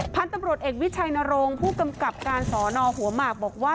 พันธุ์ตำรวจเอกวิชัยนรงค์ผู้กำกับการสอนอหัวหมากบอกว่า